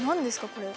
これ。